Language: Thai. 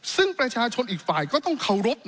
ซึ่งประชาชนอีกฝ่ายก็ต้องเคารพ